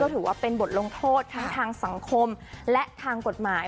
ถือว่าเป็นบทลงโทษทั้งทางสังคมและทางกฎหมาย